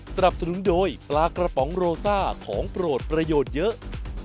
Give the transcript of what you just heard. สนับสนุนโดยปลากระป๋องโรซ่าของโปรดประโยชน์เยอะ